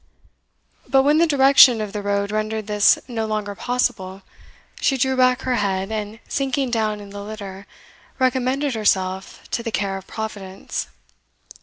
But when the direction of the road rendered this no longer possible, she drew back her head, and sinking down in the litter, recommended herself to the care of Providence.